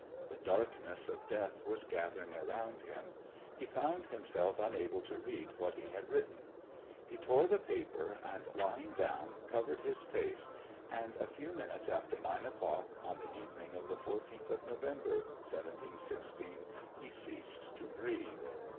The darkness of death was gathering around him. He found himself unable to read what he had written. He tore the paper, and, lying down, covered his face, and a few minutes after 9 o'clock, on the evening of the 14th of November, 1716, he ceased to breathe!